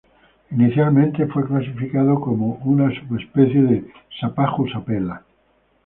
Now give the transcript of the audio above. Inicialmente fue clasificado como una subespecie de "Sapajus apella".